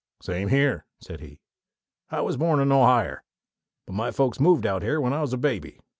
"Same here," said he. "I was born in Ohier; but my folks moved out here when I was a babby.